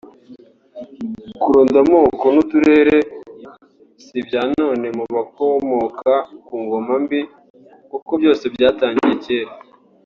Kuronda amoko n’uturere si ibya none mu bakomoka ku ngoma mbi kuko byose byatangiye kera